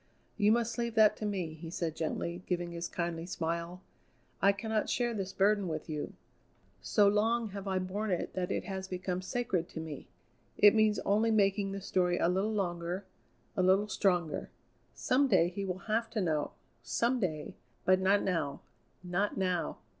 "You must leave that to me," he said gently, giving his kindly smile. "I cannot share this burden with you. So long have I borne it that it has become sacred to me. It means only making the story a little longer, a little stronger. Some day he will have to know some day; but not now! not now!"